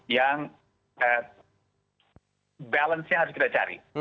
yang balance nya harus kita cari